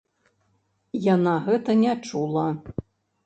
Яна гэта не чула?